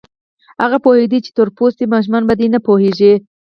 هغه پوهېده چې تور پوستي ماشومان په دې نه پوهېږي.